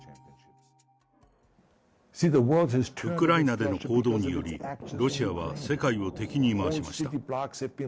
ウクライナでの行動により、ロシアは世界を敵に回しました。